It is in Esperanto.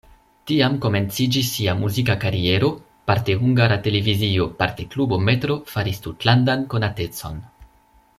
Tiam komenciĝis sia muzika kariero, parte Hungara Televizio, parte klubo "Metro" faris tutlandan konatecon.